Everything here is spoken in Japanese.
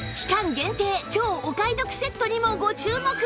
限定超お買い得セットにもご注目！